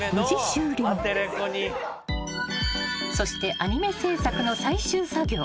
［そしてアニメ制作の最終作業。